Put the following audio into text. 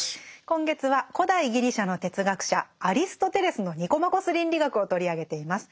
今月は古代ギリシャの哲学者アリストテレスの「ニコマコス倫理学」を取り上げています。